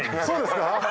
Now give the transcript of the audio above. そうですか？